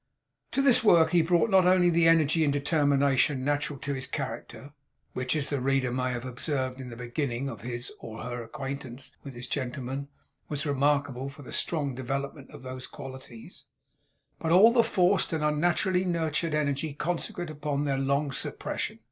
To this work he brought, not only the energy and determination natural to his character (which, as the reader may have observed in the beginning of his or her acquaintance with this gentleman, was remarkable for the strong development of those qualities), but all the forced and unnaturally nurtured energy consequent upon their long suppression.